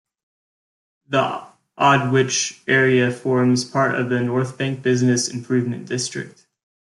The Aldwych area forms part of the Northbank business improvement district.